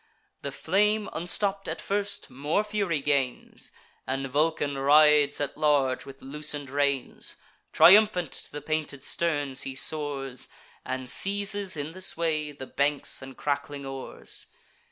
The flame, unstopp'd at first, more fury gains, And Vulcan rides at large with loosen'd reins: Triumphant to the painted sterns he soars, And seizes, in this way, the banks and crackling oars.